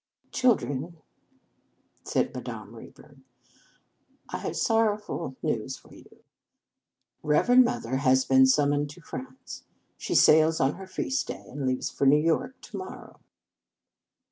" Children," said Madame Ray burn, " I have sorrowful news for you. Reverend Mother has been sum moned to France. She sails on her feast day, and leaves for New York to morrow."